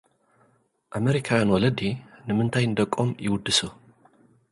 ኣመሪካውያን ወለዲ፡ ንምንታይ ንደቈም ይውድሱ?